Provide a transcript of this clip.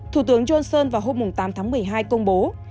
thủ tướng johnson vào hôm tám tháng một mươi hai công bố